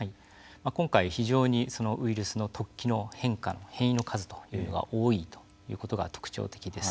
今回非常にそのウイルスの突起の変化変異の数というのが多いということが特徴的です。